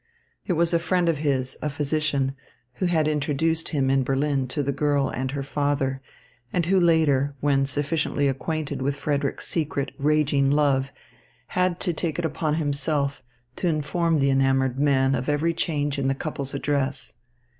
It was a friend of his, a physician, who had introduced him in Berlin to the girl and her father, and who later, when sufficiently acquainted with Frederick's secret, raging love, had to take it upon himself to inform the enamoured man of every change in the couple's address.